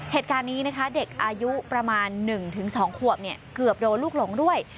เหตุการณ์นี้นะคะเด็กอายุประมาณ๑๒ขวบเกือบโดนลูกหลงด้วย